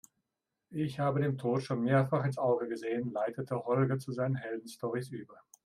Ich habe dem Tod schon mehrfach ins Auge gesehen, leitete Holger zu seinen Heldenstorys über.